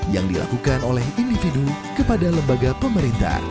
yang dilakukan oleh individu kepada lembaga pemerintah